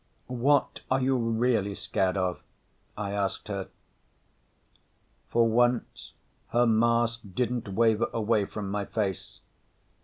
"What are you really scared of?" I asked her. For once her mask didn't waver away from my face.